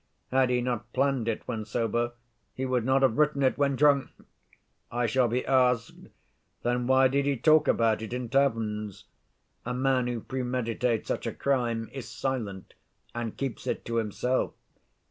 Had he not planned it when sober, he would not have written it when drunk. I shall be asked: Then why did he talk about it in taverns? A man who premeditates such a crime is silent and keeps it to himself.